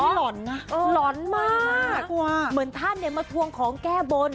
หล่อนนะหล่อนมากกว่าค่ะเหมือนท่านมาทวงของแก้บน